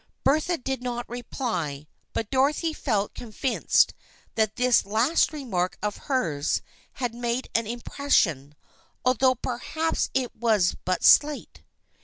Bertha did not reply, but Dorothy felt con vinced that this last remark of hers had made an impression, although perhaps it was but slight.